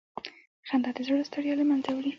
خندا د زړه ستړیا له منځه وړي.